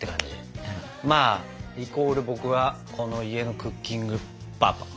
まあイコール僕はこの家のクッキングパパ。